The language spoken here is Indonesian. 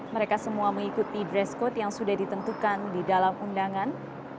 mereka semua mengikuti dress code yang sudah ditentukan di dalam undangan